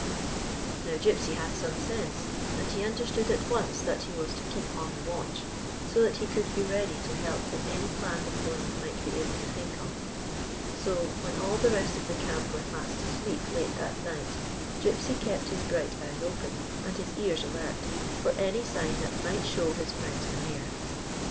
" Now, Gypsy had some sense, and he under stood at once that he was to keep on the watch, so that he could be ready to help in any plan the pony might be able to think of. So, when all the rest of the camp were fast asleep, late that night, Gypsy kept his bright eyes open, and his ears alert, for any sign that might show his friends were near.